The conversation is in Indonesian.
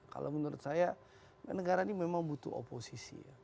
kalau menurut saya negara ini memang butuh oposisi ya